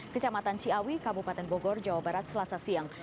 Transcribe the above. kecamatan ciawi kabupaten bogor jawa barat selasa siang